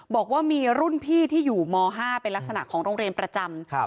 บอกว่ามีรุ่นพี่ที่อยู่ม๕เป็นลักษณะของโรงเรียนประจำ